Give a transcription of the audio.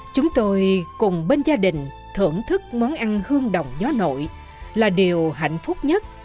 chúng tôi cùng bên gia đình thưởng thức món ăn hương đồng gió nội là điều hạnh phúc nhất